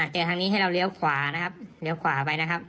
แต่ทางนี้ให้เราเลี้ยวขวานะครับเลี้ยวขวาไปนะครับ